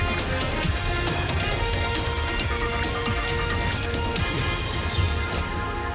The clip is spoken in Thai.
สวัสดีครับ